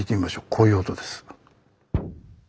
こういう音です。